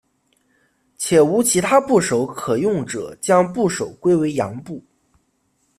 且无其他部首可用者将部首归为羊部。